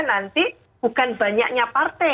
nanti bukan banyaknya partai